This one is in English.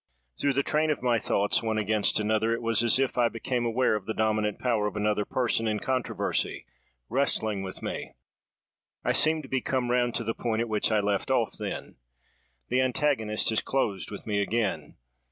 Through the train of my thoughts, one against another, it was as if I became aware of the dominant power of another person in controversy, wrestling with me. I seem to be come round to the point at which I left off then. The antagonist has closed with me again.